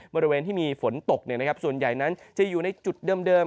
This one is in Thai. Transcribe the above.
บริเวณที่มีฝนตกส่วนใหญ่นั้นจะอยู่ในจุดเดิม